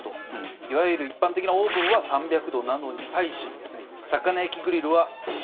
いわゆる一般的なオーブンは３００度なのに対し魚焼きグリルは３５０度近くまで上がる。